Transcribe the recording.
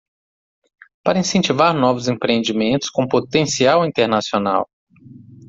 Para incentivar novos empreendimentos com potencial internacional